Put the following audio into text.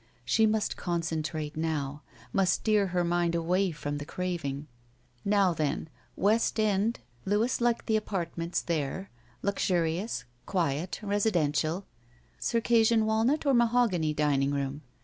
She must concentrate now — ^must steer her mind away from the craving ! Now then: West End Avenue^ Louis liked the apartments there. Luxurious. Quiet. Residential. Circassian walnut or mahogany dining room?